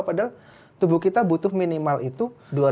padahal tubuh kita butuh minimal itu